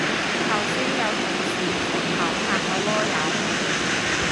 頭先有同事從後拍我籮柚